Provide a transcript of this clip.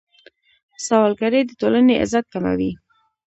سوالګري د ټولنې عزت کموي.